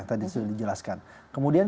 tadi sudah dijelaskan kemudian